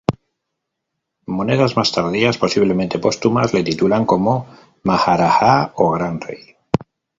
Monedas más tardías, posiblemente póstumas, le titulan como maharajá o "Gran Rey".